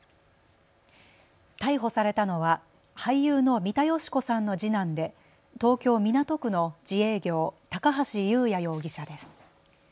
逮捕されたのは俳優の三田佳子さんの次男で東京港区の自営業、高橋祐也容疑者です。